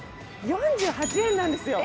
４８円なんですよ。